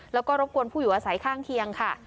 แล้วก็รบกวนผู้อยู่อาศัยข้างเคียงค่ะ